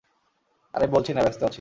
আরে বলেছি না, ব্যস্ত আছি।